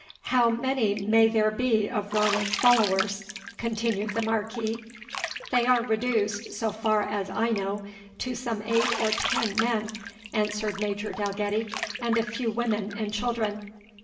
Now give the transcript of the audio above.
"How many may there be of Ranald's followers?" continued the Marquis. "They are reduced, so far as I know, to some eight or ten men," answered Major Dalgetty, "and a few women and children."